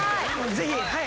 ぜひはい！